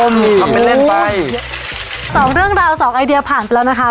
ทำเป็นเล่นไปสองเรื่องราวสองไอเดียผ่านไปแล้วนะคะ